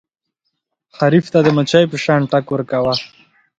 حریف ته د مچۍ په شان ټک ورکوه.